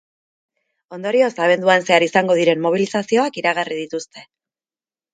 Ondorioz, abenduan zehar izango diren mobilizazioak iragarri dituzte.